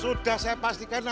sudah saya pastikan apa ya